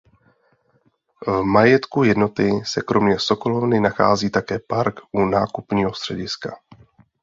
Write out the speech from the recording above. V majetku jednoty se kromě sokolovny nachází také park u nákupního střediska.